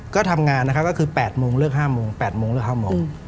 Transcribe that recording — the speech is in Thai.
ก็ทำงานนะคะก็คือ๘โมงเลือก๕โมง๘โมงเลือก๕โมง